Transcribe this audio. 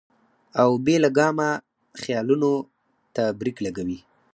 او بې لګامه خيالونو ته برېک لګوي -